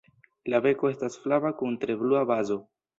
La beko estas flava kun tre blua bazo.